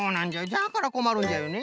じゃからこまるんじゃよね。